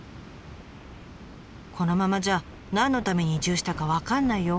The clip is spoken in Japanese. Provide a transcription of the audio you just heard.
このままじゃ何のために移住したか分かんないよ。